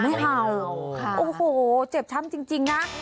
ไม่ห่าค่ะโอ้โหโอ้โหเจ็บช้ำจริงจริงน่ะ